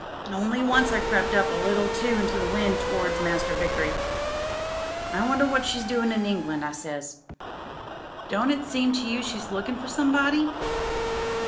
Only once I crept up a little into the wind towards Master Vickery. *I wonder what she's doin' in England,' I says. * Don't it seem to you she's lookin' for somebody